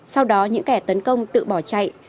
sau đó những kẻ tấn công tự bỏ chạy